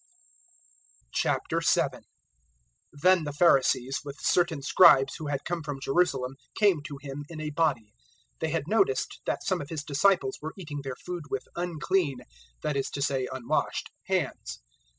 007:001 Then the Pharisees, with certain Scribes who had come from Jerusalem, came to Him in a body. 007:002 They had noticed that some of His disciples were eating their food with 'unclean' (that is to say, unwashed) hands.